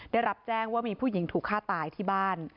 ได้รับแจ้งว่ามีผู้หญิงถูกฆ่าตายที่บ้าน